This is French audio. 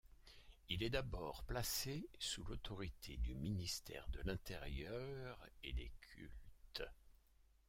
Il est d'abord placé sous l'autorité du ministère de l'Intérieur et des Cultes.